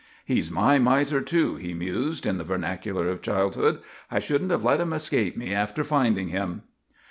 "He's my miser, too," he mused, in the vernacular of childhood. "I shouldn't have let him escape me after finding him."